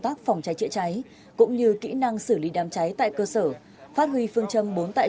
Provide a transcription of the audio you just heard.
tác phòng cháy chữa cháy cũng như kỹ năng xử lý đám cháy tại cơ sở phát huy phương châm bốn tại